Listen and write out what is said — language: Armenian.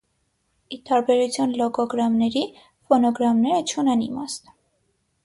Ի տարբերություն լոգոգրամների՝ ֆոնոգրամները չունեն իմաստ։